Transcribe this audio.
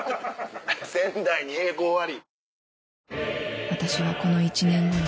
「仙台に英孝あり」。